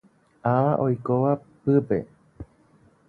Ava oikóva pype.